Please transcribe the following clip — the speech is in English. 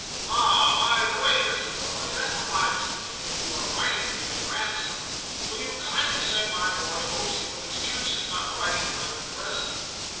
* Ah ! by the way, Mr. Darley, that reminds me, if you are writing to your grandson, will you kindly say my boy hopes he will excuse his not writing to him at present?